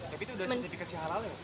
tapi itu udah sertifikasi halal ya